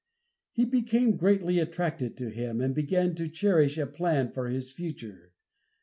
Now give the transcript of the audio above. He became greatly attached to him, and began to cherish a plan for his future.